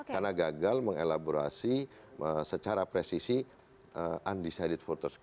karena gagal mengelaborasi secara presisi undecided voters